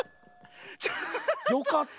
よかった。